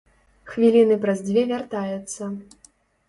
Хвіліны праз дзве вяртаецца.